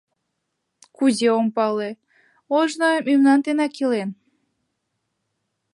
— Кузе ом пале, ожно мемнан денак илен.